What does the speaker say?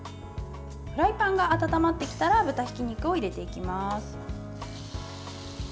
フライパンが温まってきたら豚ひき肉を入れていきます。